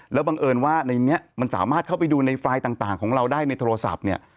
แล้วบังเอิญว่าในนี้มันสามารถเข้าไปดูในไฟล์ต่างของเราได้ในโทรศัพท์เนี่ย